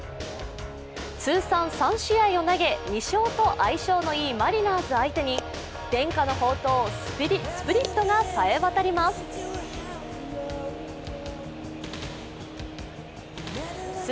通算３試合を投げ２勝と相性のいいマリナーズ相手に伝家の宝刀、スプリットが冴え渡ります。